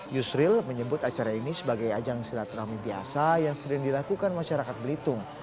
yusril menyebut acara ini sebagai ajang silaturahmi biasa yang sering dilakukan masyarakat belitung